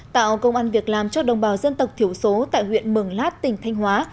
tạo công an việc làm cho đồng bào dân tộc thiểu số tại huyện mường lát tỉnh thanh hóa